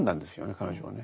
彼女をね。